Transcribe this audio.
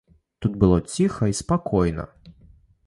Тут было ціха і спакойна.